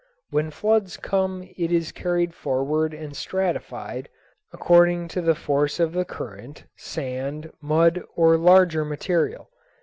When floods come it is carried forward and stratified, according to the force of the current, sand, mud, or larger material.